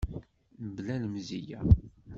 Mebla lemzeyya.